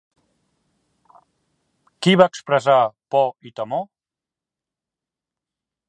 Qui va expressar por i temor?